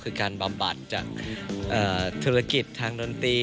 คือการบำบัดจากธุรกิจทางดนตรี